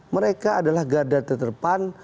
mereka adalah garda terdepan